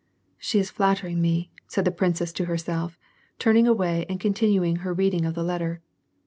" She is flattering me," said the princess to herself, turning away and continuing her reading of the letter.